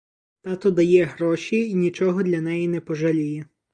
Тато дає гроші й нічого для неї не пожаліє.